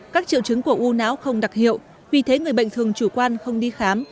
các triệu chứng của u não không đặc hiệu vì thế người bệnh thường chủ quan không đi khám